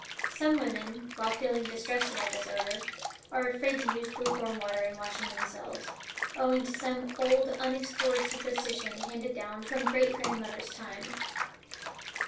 Some women, while feeling distressed about this odor, are afraid to use lukewarm water in washing themselves, owing to some old unexplored superstition handed down from the great grandmother's time.